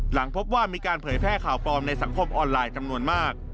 หลังพบว่ามีการเผยแพร่ข่าวปลอมในสังคมออนไลน์จำนวนมาก